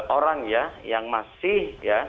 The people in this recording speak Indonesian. orang ya yang masih